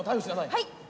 はい。